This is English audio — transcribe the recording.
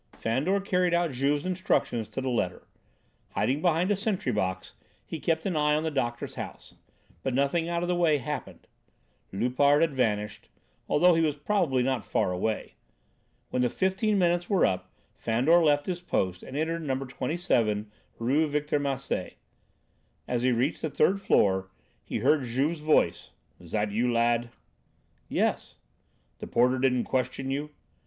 Fandor carried out Juve's instructions to the letter. Hiding behind a sentry box he kept an eye on the doctor's house, but nothing out of the way happened. Loupart had vanished, although he was probably not far away. When the fifteen minutes were up Fandor left his post and entered No. 27 Rue Victor Massé. As he reached the third floor he heard Juve's voice: "Is that you, lad?" "Yes." "The porter didn't question you?"